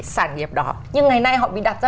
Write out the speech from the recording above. sản nghiệp đó nhưng ngày nay họ bị đặt ra